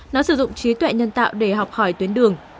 nó sử dụng trí tuệ nhân tạo để học hỏi tuyến đường